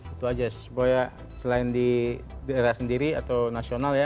itu aja supaya selain di daerah sendiri atau nasional ya